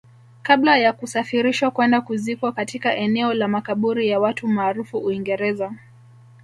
kabla ya kusafirishwa kwenda kuzikwa katika eneo la makaburi ya watu maarufu Uingereza